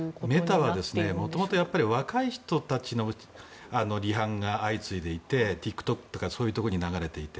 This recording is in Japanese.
メタは元々若い人たちの離反が相次いでいてＴｉｋＴｏｋとかそういうところに流れていて。